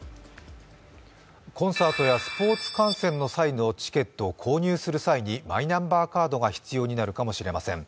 コンサートやスポーツ観戦の際のチケットを購入する際にマイナンバーカードが必要になるかもしれません。